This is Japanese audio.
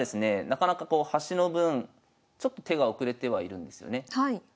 なかなかこう端の分ちょっと手が遅れてはいるんですよね。